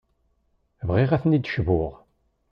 Bɣiɣ ad tent-id-cbuɣ.